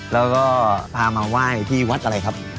แล้วก็พามาไหว้ที่วัดอะไรครับ